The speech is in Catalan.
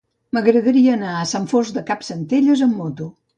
M'agradaria anar a Sant Fost de Campsentelles amb moto.